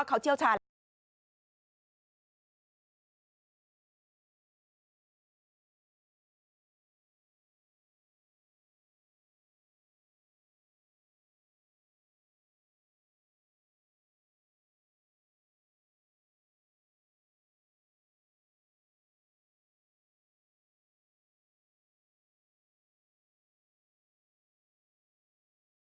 โปรดติดตามตอนต่อไป